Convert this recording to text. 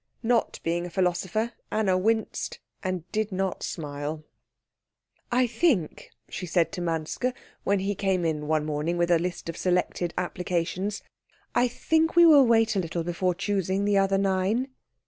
Not being a philosopher, Anna winced and did not smile. "I think," she said to Manske, when he came in one morning with a list of selected applications, "I think we will wait a little before choosing the other nine."